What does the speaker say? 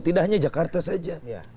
tidak hanya jakarta saja